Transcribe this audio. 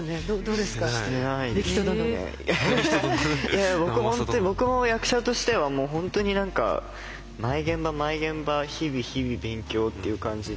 いや僕も役者としてはもう本当に何か毎現場毎現場日々日々勉強っていう感じで。